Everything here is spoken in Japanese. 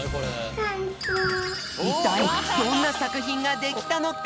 いったいどんなさくひんができたのか！？